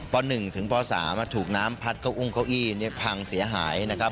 ป๑ถึงป๓ถูกน้ำพัดเก้าอุ้งเก้าอี้พังเสียหายนะครับ